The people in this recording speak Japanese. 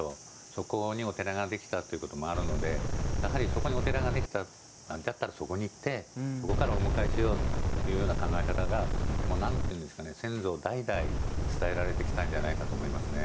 そこにお寺ができたということもあるのでやはり、そこにお寺ができたんだったらそこに行ってそこからお迎えしようという考え方が先祖代々伝えられてきたんじゃないかと思いますね。